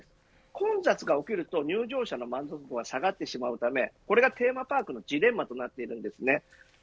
混雑が起きると入場者の満足度は下がってしまいこれがテーマパークのジレンマとなっています。